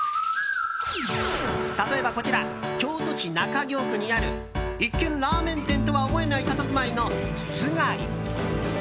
例えば、こちら京都市中京区にある一見ラーメン店とは思えないたたずまいの、すがり。